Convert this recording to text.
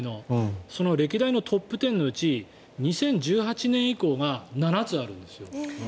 歴代トップ１０のうち２０１８年以降が７つあるんです。